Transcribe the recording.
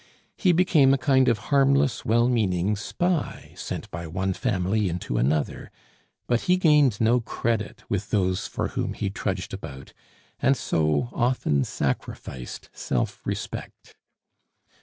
He became a kind of harmless, well meaning spy, sent by one family into another; but he gained no credit with those for whom he trudged about, and so often sacrificed self respect.